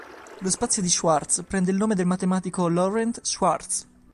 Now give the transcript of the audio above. Lo spazio di Schwartz prende il nome del matematico Laurent Schwartz.